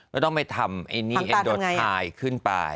แล้วต้องไปทำไอ้นี่เอ็นโดไทขึ้นไป